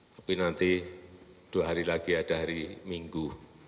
tapi nanti dua hari lagi ada hari minggu